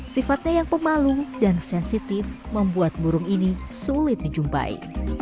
sifatnya yang pemalu dan sensitif membuat burung ini sulit dijumpai